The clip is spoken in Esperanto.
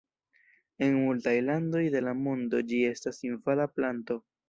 En multaj landoj de la mondo ĝi estas invada planto.